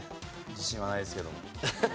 自信はないですけど。